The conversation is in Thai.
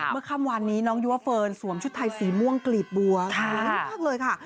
เมื่อข้ามวานนี้น้องยู่วฟิล์นสวมชุดไทยสีม่วงกลีบบวกแน่นอนพลักเลยค่ะ